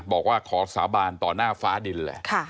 บอกว่าขอสาบานต่อหน้าฟ้าดินเลย